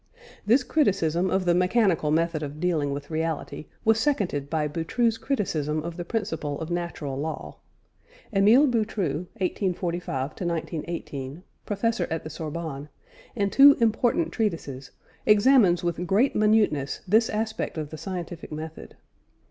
This criticism of the mechanical method of dealing with reality was seconded by Boutroux's criticism of the principle of Natural Law. Émile Boutroux (1845 1918) Professor at the Sorbonne in two important treatises, examines with great minuteness this aspect of the scientific method.